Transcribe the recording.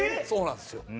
そうなんですよ。